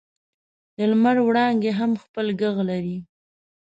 د لمر وړانګې هم خپل ږغ لري.